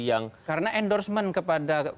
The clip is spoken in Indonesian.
yang karena endorsement kepada